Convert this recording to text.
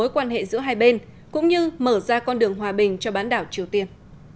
quan hệ giữa hai bên cũng như mở ra con đường hòa bình cho bán đảo triều tiên